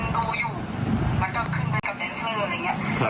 ไม่ใช่ผู้ชายในคลิปนะคะ